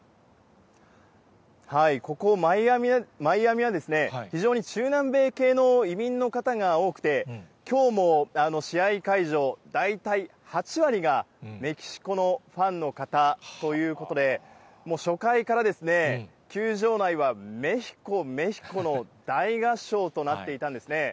ここマイアミは、非常に中南米系の移民の方が多くて、きょうも試合会場、大体８割がメキシコのファンの方ということで、もう初回から、球場内はメヒコ、メヒコの大合唱となっていたんですね。